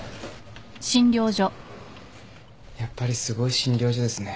やっぱりすごい診療所ですね